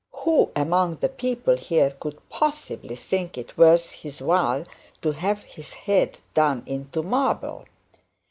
Who among the people here could possibly think it worth his while to have his head done into marble?'